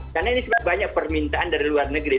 karena ini banyak permintaan dari luar negeri